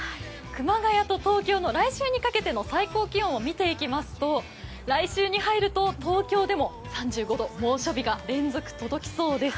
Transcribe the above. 熊谷と東京の来週にかけての最高気温を見ていきますと、来週に入ると東京でも３５度、猛暑日が連続届きそうです。